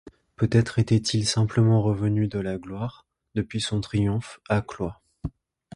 Peut-être était-il simplement revenu de la gloire, depuis son triomphe, à Cloyes.